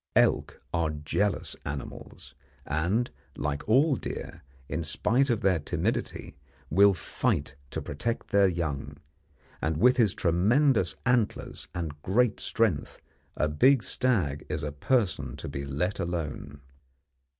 Elk are jealous animals, and, like all deer, in spite of their timidity, will fight to protect their young; and with his tremendous antlers and great strength a big stag is a person to be let alone.